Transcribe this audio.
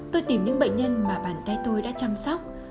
tôi tìm những bệnh nhân mà bàn tay tôi đã chăm sóc